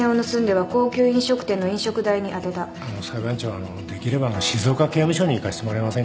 あのできれば静岡刑務所に行かせてもらえませんか。